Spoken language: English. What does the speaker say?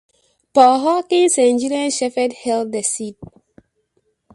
Paul Hawkins and Gillian Shephard held the seat.